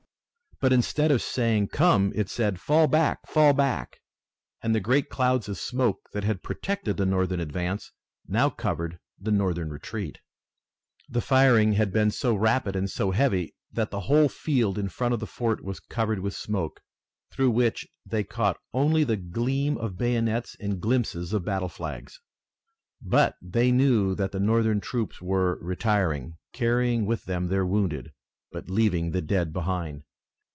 But instead of saying come, it said: "Fall back! Fall back!" and the great clouds of smoke that had protected the Northern advance now covered the Northern retreat. The firing had been so rapid and so heavy that the whole field in front of the fort was covered with smoke, through which they caught only the gleam of bayonets and glimpses of battle flags. But they knew that the Northern troops were retiring, carrying with them their wounded, but leaving the dead behind.